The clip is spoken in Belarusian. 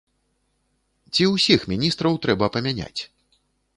Ці ўсіх міністраў трэба памяняць?